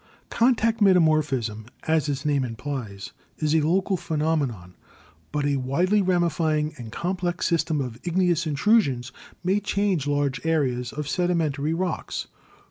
Contact metamorphism, as its name implies, is a local phenomenon, but a widely rami fying and complex system of igneous intrusions may change large areas of sedimentary rocks.